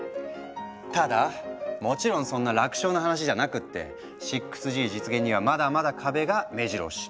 ただもちろんそんな楽勝な話じゃなくって６Ｇ実現にはまだまだ壁がめじろ押し。